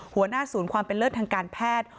หัวหน้าศูนย์ความเป็นเลิศทางการแพทย์